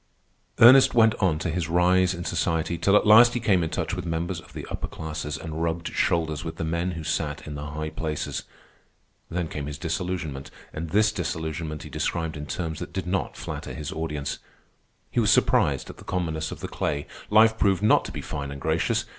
Ernest went on to his rise in society, till at last he came in touch with members of the upper classes, and rubbed shoulders with the men who sat in the high places. Then came his disillusionment, and this disillusionment he described in terms that did not flatter his audience. He was surprised at the commonness of the clay. Life proved not to be fine and gracious.